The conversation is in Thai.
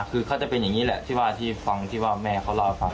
คือเขาจะเป็นอย่างนี้แหละที่ว่าที่ฟังที่ว่าแม่เขาเล่าให้ฟัง